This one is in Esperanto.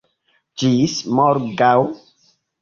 Ĝis morgaŭ.